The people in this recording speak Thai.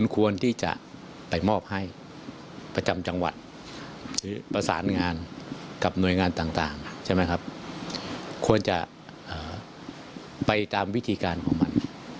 ควรจะไปตามวิธีการของมัน